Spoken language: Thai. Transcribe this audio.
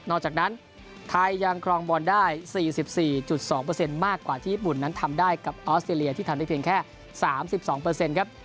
จากนั้นไทยยังครองบอลได้๔๔๒มากกว่าที่ญี่ปุ่นนั้นทำได้กับออสเตรเลียที่ทำได้เพียงแค่๓๒ครับ